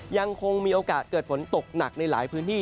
ยังคงมีโอกาสเกิดฝนตกหนักในหลายพื้นที่